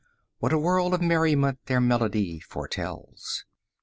What a world of merriment their melody foretells!